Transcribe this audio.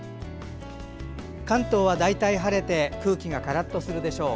関東は大体晴れて空気がカラッとするでしょう。